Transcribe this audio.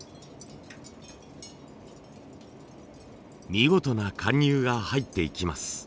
見事な貫入が入っていきます。